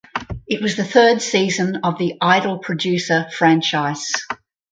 It was the third season of the "Idol Producer" franchise.